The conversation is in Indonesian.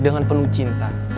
dengan penuh cinta